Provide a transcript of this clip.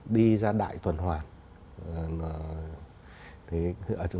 đi ra đại tuần hoạt